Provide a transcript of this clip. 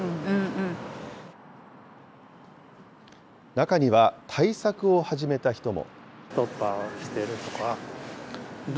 中には、対策を始めた人も。